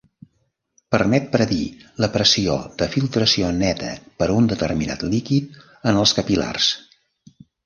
Permet predir la pressió de filtració neta per a un determinat líquid en els capil·lars.